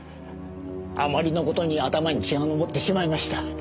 あまりの事に頭に血が上ってしまいました。